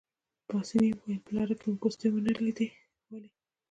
پاسیني وویل: په لاره کې مو پوستې ونه لیدې، ولې؟